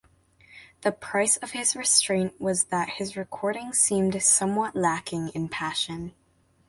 The price of his restraint was that his recording seemed "somewhat lacking in passion".